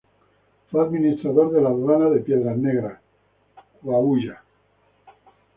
Fue administrador de la aduana de Piedras Negras, Coahuila.